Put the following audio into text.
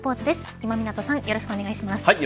今湊さんよろしくお願いします